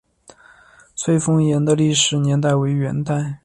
翠峰岩的历史年代为元代。